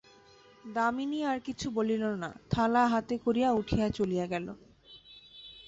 দামিনী আর কিছু বলিল না, থালা হাতে করিয়া উঠিয়া চলিয়া গেল।